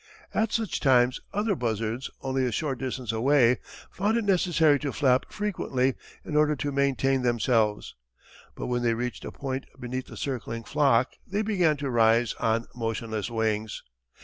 At such times other buzzards only a short distance away found it necessary to flap frequently in order to maintain themselves. But when they reached a point beneath the circling flock they began to rise on motionless wings.